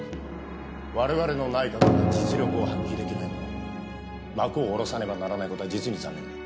我々の内閣が実力を発揮出来ないまま幕を下ろさねばならない事は実に残念だ。